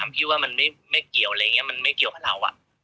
พี่ว่ามันไม่เกี่ยวอะไรอย่างนี้มันไม่เกี่ยวกับเรา